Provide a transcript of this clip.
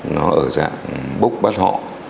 nó ở dạng bốc bắt họ